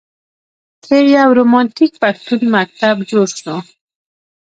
ترې یو رومانتیک پښتون مکتب جوړ شو.